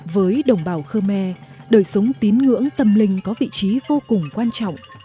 với đồng bào khmer đời sống tín ngưỡng tâm linh có vị trí vô cùng quan trọng